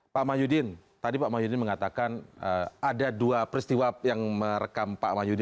pak mah yudin tadi pak mah yudin mengatakan ada dua peristiwa yang merekam pak mah yudin